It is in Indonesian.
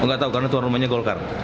nggak tahu karena tuan rumahnya golkar